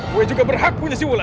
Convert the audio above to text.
gue juga berhak punya si bola